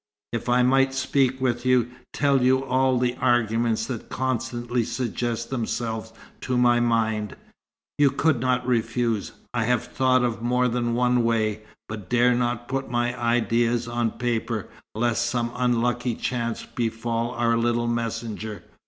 If I might speak with you, tell you all the arguments that constantly suggest themselves to my mind, you could not refuse. I have thought of more than one way, but dare not put my ideas on paper, lest some unlucky chance befall our little messenger.